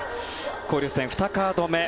交流戦、２カード目。